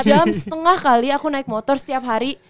dua jam setengah kali aku naik motor setiap hari